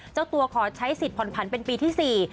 เจ้าตัวขอใช้สิทธิผ่อนผันเป็นปีที่๔